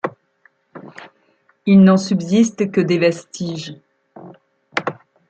Il n'en subsiste que des vestiges.